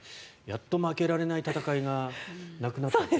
やっと負けられない戦いがなくなった。